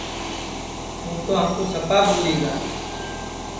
تُوں تو ہمکُو سپا بھولی گا